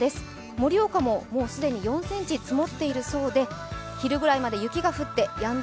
盛岡ももう既に４ｃｍ積もっているそうで、昼ぐらいまで雪が降ってやんだ